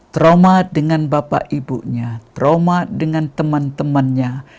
trauma dengan bapak ibunya trauma dengan teman temannya